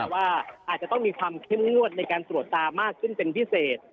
ว่าอาจจะต้องมีความเข้มงวดในการตรวจตามากขึ้นเป็นพิเศษ